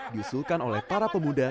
disulkan oleh para pemuda